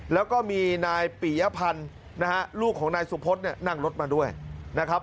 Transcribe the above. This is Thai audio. แล้วก็มีนายปียพันธ์นะฮะลูกของนายสุพธเนี่ยนั่งรถมาด้วยนะครับ